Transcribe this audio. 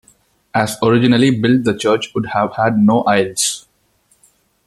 As originally built the church would have had no aisles.